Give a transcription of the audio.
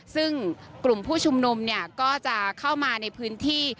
ซึ่งกลุ่มผู้ชุมนุมเนี่ยก็จะเข้ามาในพื้นที่